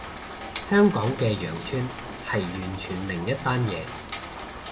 香港嘅羊村係完全另一單嘢